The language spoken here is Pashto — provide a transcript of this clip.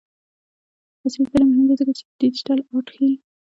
عصري تعلیم مهم دی ځکه چې د ډیجیټل آرټ ښيي.